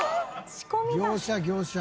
業者業者。